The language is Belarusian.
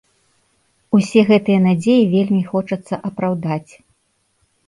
Усе гэтыя надзеі вельмі хочацца апраўдаць.